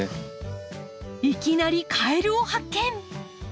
いきなりカエルを発見！